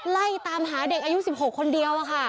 ไล่ตามหาเด็กอายุ๑๖คนเดียว